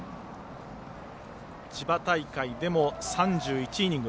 千葉大会でも３１イニング。